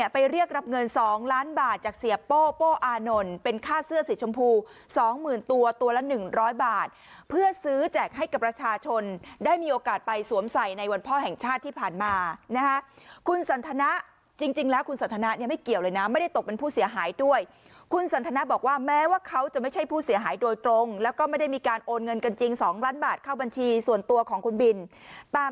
พ่ออานนท์เป็นค่าเสื้อสีชมพูสองหมื่นตัวตัวละหนึ่งร้อยบาทเพื่อซื้อแจกให้กับรัชาชนได้มีโอกาสไปสวมใส่ในวันพ่อแห่งชาติที่ผ่านมานะฮะคุณสันทนาจริงจริงแล้วคุณสันทนาเนี่ยไม่เกี่ยวเลยนะไม่ได้ตกเป็นผู้เสียหายด้วยคุณสันทนาบอกว่าแม้ว่าเขาจะไม่ใช่ผู้เสียหายโดยตรงแล้วก็ไม่ได้ม